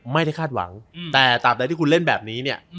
ไม่ได้คาดหวังแต่ตามใดที่คุณเล่นแบบนี้เนี่ย